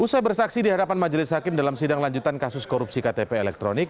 usai bersaksi di hadapan majelis hakim dalam sidang lanjutan kasus korupsi ktp elektronik